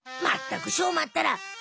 まったくしょうまったら！